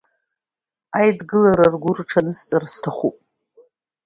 Аидгылара ргәы рҽанысҵар сҭахуп.